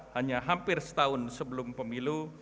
hanya hampir setahun sebelum pemilu